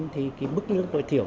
thì cái mức lương tối thiểu